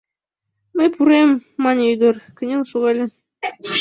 Мый пурем, — мане ӱдыр, кынел шогале.